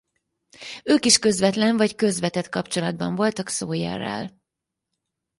Ők is közvetlen vagy közvetett kapcsolatban voltak Sawyerrel.